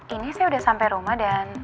ini saya udah sampai rumah dan